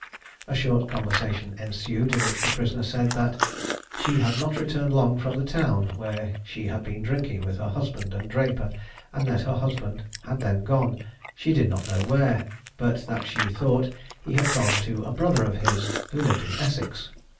A short conversation ensued, in which the prisoner said that "she had not returned long from the town, where she had been drinking with her husband and Draper, and that her husband had then gone, she did not know where, but that she thought he had gone to a brother of his, who lived in Essex."